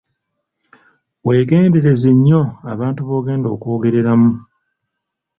Weegendereze nnyo abantu b'ogenda okwogereramu.